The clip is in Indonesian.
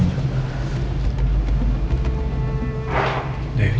jalan lagi kurang merahmat ya